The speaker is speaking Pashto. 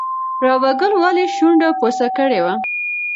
رابعه ګل ولې شونډه بوڅه کړې وه؟